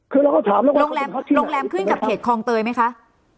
คือเราก็ถามโรงแรมโรงแรมขึ้นกับเขตคลองเตยไหมคะ